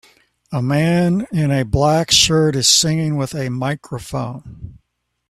A man in a black shirt is singing with a microphone